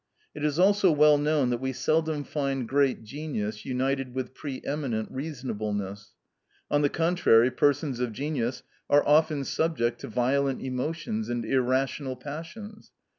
It is also well known that we seldom find great genius united with pre eminent reasonableness; on the contrary, persons of genius are often subject to violent emotions and irrational passions.